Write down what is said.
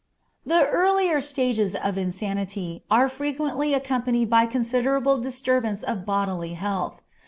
The earlier stages of insanity are frequently accompanied by considerable disturbance of bodily health.